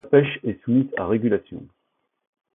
La pêche est soumise à régulation.